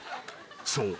［そう。